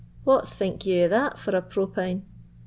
what think ye o' that for a propine?